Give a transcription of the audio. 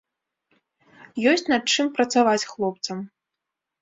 Ёсць над чым працаваць хлопцам.